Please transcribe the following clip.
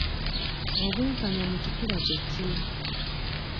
Obwenkanya mu kikula kye ki?